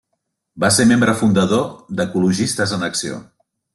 Va ser membre fundador d'Ecologistes en Acció.